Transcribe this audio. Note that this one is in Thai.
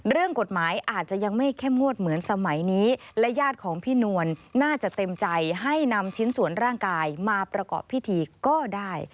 เรื่องกฎหมายอาจจะยังไม่เข้มงวดเหมือนสมัยนี้และญาติของพี่นวลน่าจะเต็มใจให้นำชิ้นส่วนร่างกายมาประกอบพิธีก็ได้